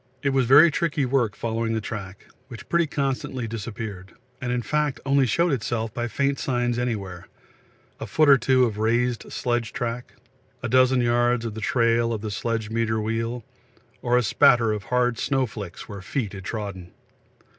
It was very tricky work following the track, which pretty constantly disappeared, and in fact only showed itself by faint signs anywhere a foot or two of raised sledge track, a dozen yards of the trail of the sledge meter wheel, or a spatter of hard snow flicks where feet had trodden.